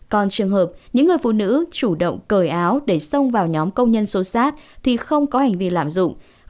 còn trường hợp những người phụ nữ chủ động cởi áo để xông vào nhóm công nhân số sát thì không có hành vi lạm dụng